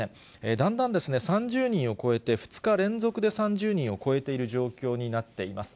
だんだん３０人を超えて２日連続で３０人を超えている状況になっています。